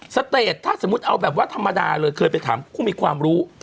สเตจถ้าสมมุติเอาแบบว่าธรรมดาเลยเคยไปถามผู้มีความรู้